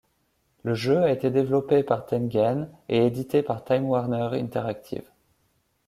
Le jeu a été développé par Tengen et édité par Time Warner Interactive.